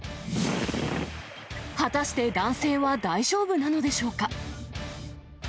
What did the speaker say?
果たして男性は大丈夫なのでしょうか。